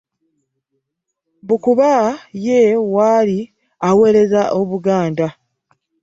Mbu kuba ye waali aweereza Obuganda.